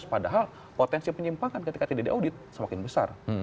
padahal potensi penyimpangan ketika tidak di audit semakin besar